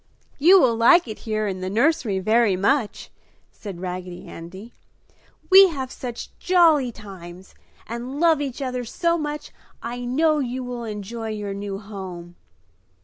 "You will like it here in the nursery very much!" said Raggedy Andy. "We have such jolly times and love each other so much I know you will enjoy your new home!"